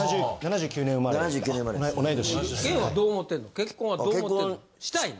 結婚はどう思ってんの？